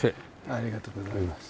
ありがとうございます。